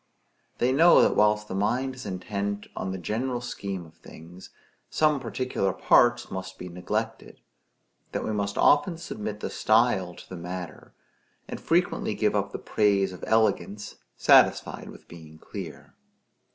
They know that whilst the mind is intent on the general scheme of things, some particular parts must be neglected; that we must often submit the style to the matter, and frequently give up the praise of elegance, satisfied with being clear.